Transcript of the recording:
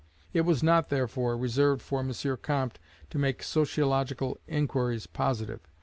It was not, therefore, reserved for M. Comte to make sociological inquiries positive.